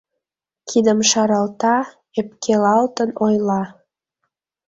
Кидым шаралта, ӧпкелалтын ойла: